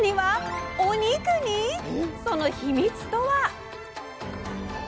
その秘密とは？